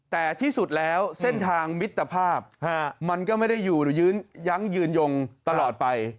แต่ที่สุดแล้วเส้นทางมิตรภาพมันก็ไม่ได้อยู่หรือยืนยั้งยืนยงตลอดไป